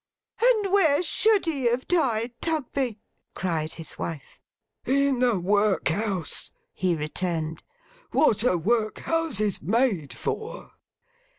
'And where should he have died, Tugby?' cried his wife. 'In the workhouse,' he returned. 'What are workhouses made for?